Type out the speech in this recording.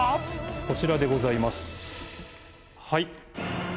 こちらでございます。